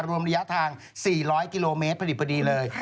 รวมระยะทาง๔๐๐กิโลเมตรพอดีเลย